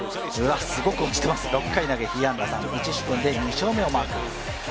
落ちています、６回投げて被安打３、１失点で２勝目をマーク。